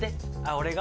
俺が？